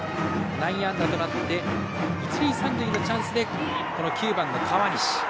内野安打となって一塁三塁のチャンスで９番、川西。